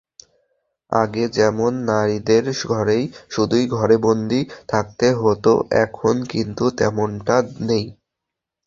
আগে যেমন নারীদের শুধুই ঘরে বন্দী থাকতে হতো, এখন কিন্তু তেমনটা নেই।